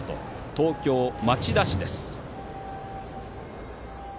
東京・町田市です。